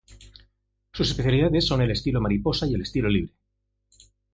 Sus especialidades son el estilo mariposa y el estilo libre.